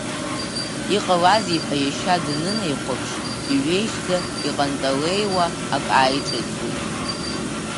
Иҟалазеи ҳәа иашьа данынаихәаԥш, иҩежьӡа, иҟанҭалеиуа ак ааиҿыҵуеит.